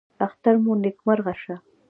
اختر مو نیکمرغه شه